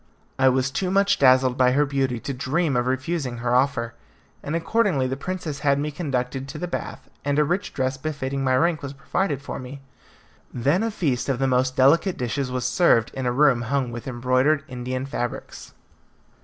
I was too much dazzled by her beauty to dream of refusing her offer, and accordingly the princess had me conducted to the bath, and a rich dress befitting my rank was provided for me. Then a feast of the most delicate dishes was served in a room hung with embroidered Indian fabrics.